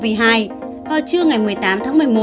vào trưa ngày một mươi tám tháng một mươi một